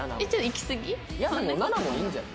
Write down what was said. いや７もいいんじゃない？